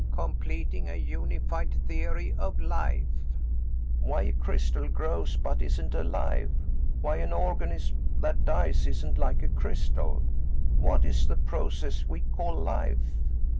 "Completing a unified theory of life. Why a crystal grows but isn't alive, why an organism that dies isn't like a crystal. What is the process we call life?